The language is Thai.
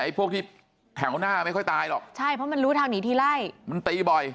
พวกที่แถวหน้าไม่ค่อยตายหรอกใช่เพราะมันรู้ทางหนีทีไล่มันตีบ่อย